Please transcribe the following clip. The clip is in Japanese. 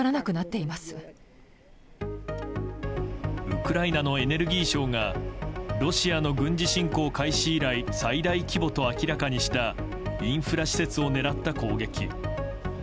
ウクライナのエネルギー相がロシアの軍事侵攻開始以来最大規模と明らかにしたインフラ施設を狙った攻撃。